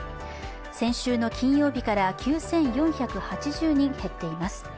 先週の金曜日から９４８０人減っています。